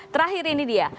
terakhir ini dia